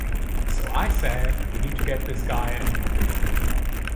So I say, we need to get this guy in.